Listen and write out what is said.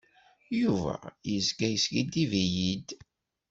Yuba yezga yeskiddib-iyi-d.